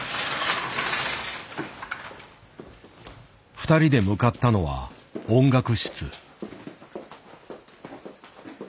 ２人で向かったのは音楽室。